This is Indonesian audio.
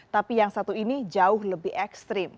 tapi yang satu ini jauh lebih ekstrim